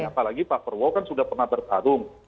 apalagi pak prabowo kan sudah pernah bertarung